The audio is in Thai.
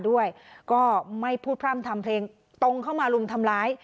ด้วยก็ไม่พูดพร่ำทำเพลงตรงเข้ามารุมทำร้าย